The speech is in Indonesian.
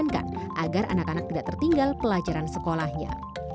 ini disarankan agar anak anak tidak tertinggal pelajaran sekolahnya